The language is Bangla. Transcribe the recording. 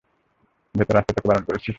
ভেতরে আসতে তোকে বারণ করেছি!